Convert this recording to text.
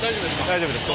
大丈夫です。